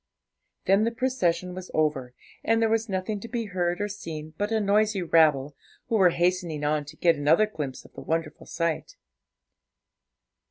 Then the procession was over, and there was nothing to be heard or seen but a noisy rabble, who were hastening on to get another glimpse of the wonderful sight.